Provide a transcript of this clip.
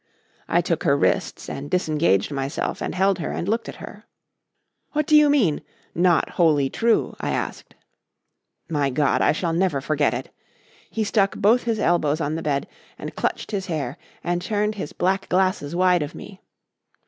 "I took her wrists and disengaged myself and held her and looked at her. "'What do you mean not wholly true?' I asked. "My God! I shall never forget it." He stuck both his elbows on the bed and clutched his hair and turned his black glasses wide of me.